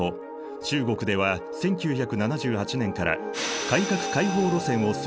中国では１９７８年から改革開放路線を推進した。